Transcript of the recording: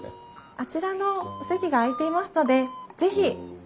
あちらのお席が空いていますので是非。